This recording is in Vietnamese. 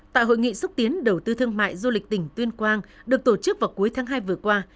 tại hội nghị xúc tiến đầu tư thương mại du lịch tỉnh tuyên quang được tổ chức vào cuối tháng hai vừa qua